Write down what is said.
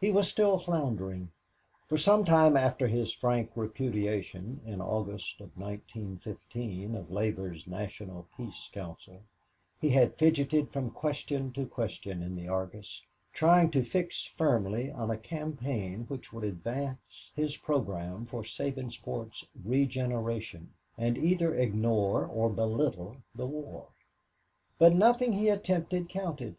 He was still floundering. For some time after his frank repudiation in August of 1915 of Labor's National Peace Council, he had fidgeted from question to question in the Argus, trying to fix firmly on a campaign which would advance his program for Sabinsport's regeneration and either ignore or belittle the war. But nothing he attempted counted.